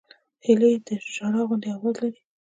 هیلۍ د ژړا غوندې آواز لري